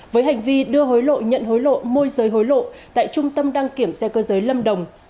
với hành vi đưa hối lộ nhận hối lộ môi giới hối lộ tại trung tâm đăng kiểm xe cơ giới lâm đồng